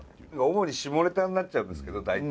主に下ネタになっちゃうんですけどだいたい。